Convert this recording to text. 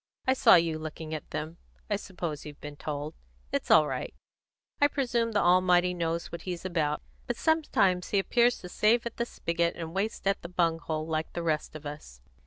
I saw you looking at them; I suppose you've been told; it's all right. I presume the Almighty knows what He's about; but sometimes He appears to save at the spigot and waste at the bung hole, like the rest of us.